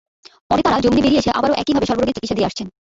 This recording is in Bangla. পরে তাঁরা জামিনে বেরিয়ে এসে আবারও একইভাবে সর্বরোগের চিকিৎসা দিয়ে আসছেন।